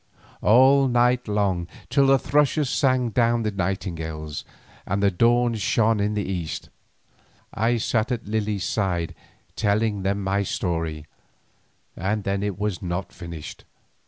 All night long, till the thrushes sang down the nightingales, and the dawn shone in the east, I sat at Lily's side telling them my story, and then it was not finished.